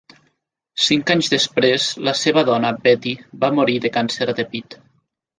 Cinc anys després, la seva dona, Betty, va morir de càncer de pit.